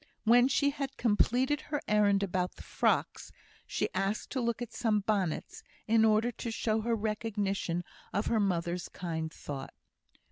When she had completed her errand about the frocks, she asked to look at some bonnets, in order to show her recognition of her mother's kind thought.